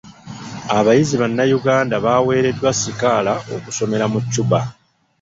Abayizi bannayuganda baweereddwa sikaala okusomera mu Cuba.